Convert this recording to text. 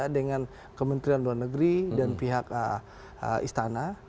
dengan kementerian luar negeri dan pihak istana